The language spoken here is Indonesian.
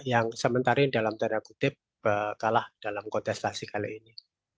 yang sementara ini dalam tanda kutip kalah dalam kontestasi kali ini